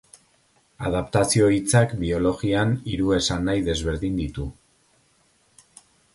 Adaptazio hitzak biologian hiru esanahi desberdin ditu.